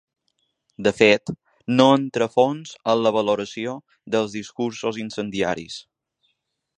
De fet, no entra a fons en la valoració dels discursos incendiaris.